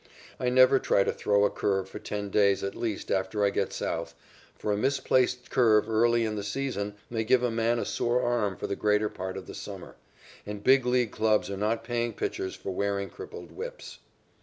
I never try to throw a curve for ten days at least after I get South, for a misplaced curve early in the season may give a man a sore arm for the greater part of the summer, and Big League clubs are not paying pitchers for wearing crippled whips.